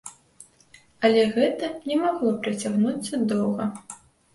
Але гэта не магло працягнуцца доўга.